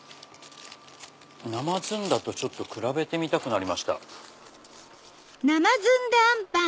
生ずんだと比べてみたくなりました。